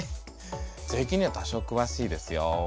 税金には多少くわしいですよ。